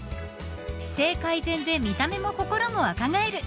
［姿勢改善で見た目も心も若返る］